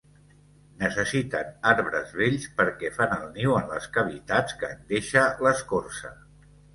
Necessiten arbres vells perquè fan el niu en les cavitats que en deixa l'escorça.